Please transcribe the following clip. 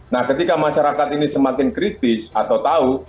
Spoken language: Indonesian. nah ketika masyarakat ini semakin kritis atau tahu